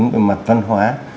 về mặt văn hóa